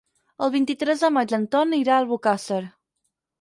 El vint-i-tres de maig en Ton irà a Albocàsser.